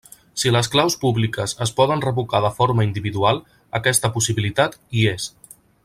Si les claus públiques es poden revocar de forma individual, aquesta possibilitat hi és.